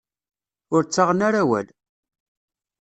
Ur ttaɣen ara awal.